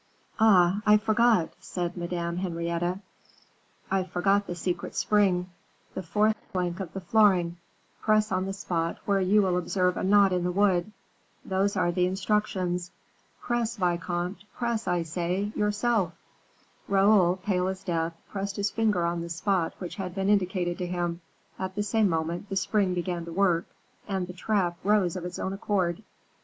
"Ah, I forgot," said Madame Henrietta, "I forgot the secret spring; the fourth plank of the flooring, press on the spot where you will observe a knot in the wood. Those are the instructions; press, vicomte! press, I say, yourself." Raoul, pale as death, pressed his finger on the spot which had been indicated to him; at the same moment the spring began to work, and the trap rose of its own accord.